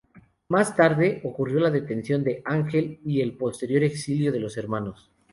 Más tarde, ocurrió la detención de Ángel y el posterior exilio de los hermanos.